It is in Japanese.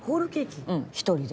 １人で？